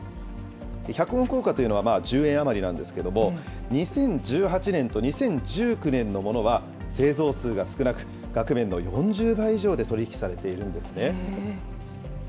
１００ウォン硬貨というのは１０円余りなんですけれども、２０１８年と２０１９年のものは製造数が少なく、額面の４０倍以上で取り引きされているんですね。